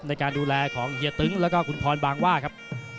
ในการดูแลของเฮียตึ้งแล้วก็คุณพรบางว่าครับ